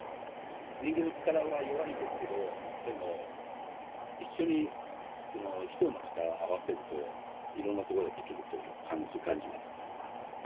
人間の力は弱いですけど、でも、一緒に人の力を合わせると、いろんなことができると感じます。